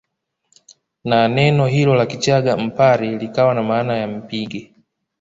Na neno hilo la kichaga Mpare likawa na maana ya mpige